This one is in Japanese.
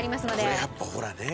これやっぱほらね